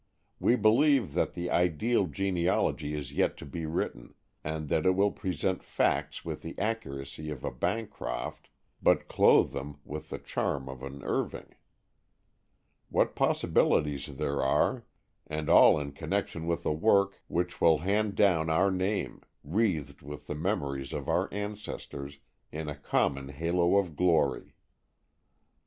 We believe that the ideal genealogy is yet to be written, and that it will present facts with the accuracy of a Bancroft, but clothe them with the charm of an Irving. What possibilities there are, and all in connection with a work which will hand down our name, wreathed with the memories of our ancestors, in a common halo of glory!